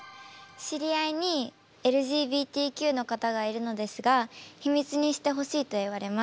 知り合いにＬＧＢＴＱの方がいるのですが「秘密にしてほしい」と言われます。